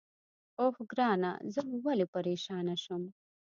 اوه، ګرانه زه نو ولې پرېشانه شم؟